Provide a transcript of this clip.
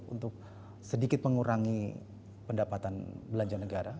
untuk sedikit mengurangi pendapatan belanja negara